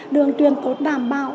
đường truyền tốt đảm bảo